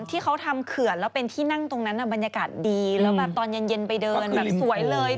ที่เขาทำเขื่อนแล้วเป็นที่นั่งตรงนั้นบรรยากาศดีแล้วแบบตอนเย็นไปเดินแบบสวยเลย